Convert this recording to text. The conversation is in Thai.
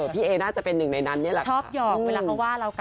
พี่เอน่าจะเป็นหนึ่งในนั้นนี้แหละค่ะ